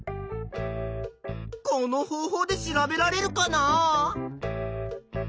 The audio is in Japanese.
この方法で調べられるかな？